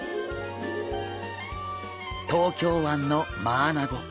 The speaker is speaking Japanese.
東京湾のマアナゴ。